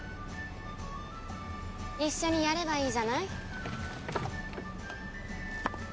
一緒にやればいいじゃない。